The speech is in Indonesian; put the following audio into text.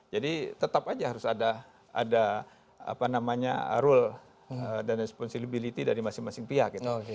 jadi tetap aja harus ada apa namanya rule dan responsability dari masing masing pihak gitu